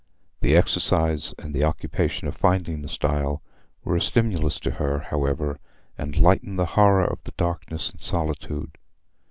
The exercise and the occupation of finding the stile were a stimulus to her, however, and lightened the horror of the darkness and solitude.